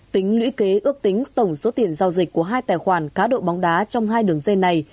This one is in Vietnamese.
tính lũy kế ước tính tổng số tiền giao dịch của hai tài khoản cá độ bóng đá trong hai đường dây này